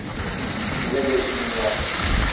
Size de iyi günler.